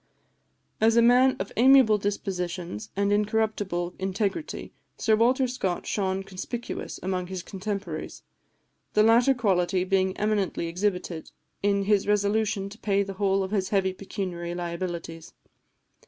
As a man of amiable dispositions and incorruptible integrity, Sir Walter Scott shone conspicuous among his contemporaries, the latter quality being eminently exhibited in his resolution to pay the whole of his heavy pecuniary liabilities.